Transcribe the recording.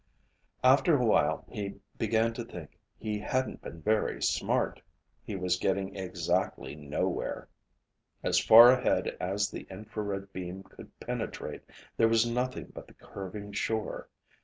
After a while he began to think he hadn't been very smart. He was getting exactly nowhere. As far ahead as the infrared beam could penetrate, there was nothing but the curving shore.